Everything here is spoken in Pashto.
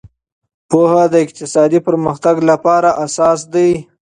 پوهه د اقتصادي پرمختګ لپاره اساس دی.